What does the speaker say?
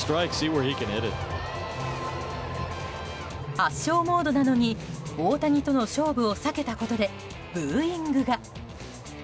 圧勝モードなのに大谷との勝負を避けたことでブーイングが。